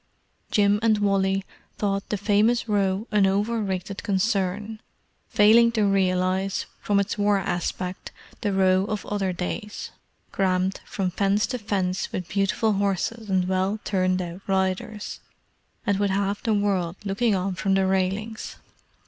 Jim and Wally thought the famous Row an over rated concern; failing to realize, from its war aspect, the Row of other days, crammed from fence to fence with beautiful horses and well turned out riders, and with half the world looking on from the railings.